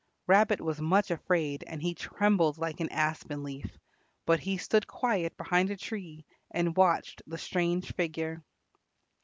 Rabbit was much afraid and he trembled like an aspen leaf, but he stood quiet behind a tree and watched the strange figure.